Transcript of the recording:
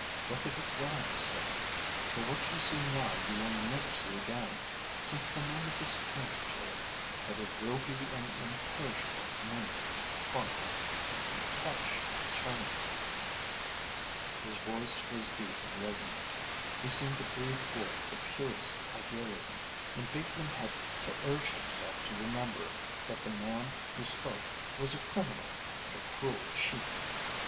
Look at it well, Mr Hunter, for what you see now you will never see again, since the moment is transitory, but it will be an imperishable memory in your heart. You touch eternity." His voice was deep and resonant. He seemed to breathe forth the purest idealism, and Bateman had to urge himself to remember that the man who spoke was a criminal and a cruel cheat.